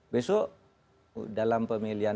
besok dalam pemilihan